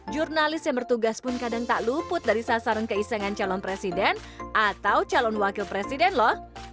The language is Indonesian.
jurnalis yang bertugas pun kadang tak luput dari sasaran keisengan calon presiden atau calon wakil presiden loh